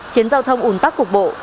khiến giao thông ủn tắc cục bộ